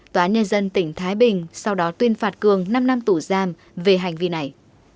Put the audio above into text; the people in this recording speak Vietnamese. tòa nhân dân tỉnh thái bình sau đó tuyên phạt cường năm năm tủ giam về hành vi này